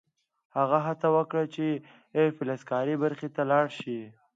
هغه هڅه وکړه چې فلزکاري برخې ته لاړ شي